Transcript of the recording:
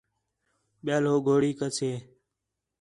ٻِیال ہو گھوڑیک اَسے